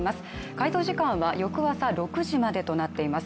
回答時間は翌朝６時までとなっています。